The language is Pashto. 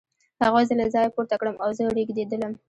هغوی زه له ځایه پورته کړم او زه رېږېدلم